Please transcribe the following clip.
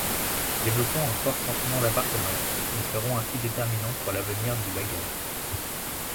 Développant un fort sentiment d'appartenance, ils seront ainsi déterminants pour l'avenir du bagad.